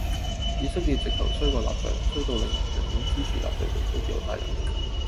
以色列直頭衰過納粹,衰到令人寧願支持納粹對付猶太人。